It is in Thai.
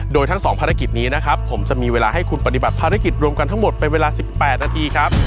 โดยทั้ง๒ภารกิจนี้นะครับผมจะมีเวลาให้คุณปฏิบัติภารกิจรวมกันทั้งหมดเป็นเวลา๑๘นาทีครับ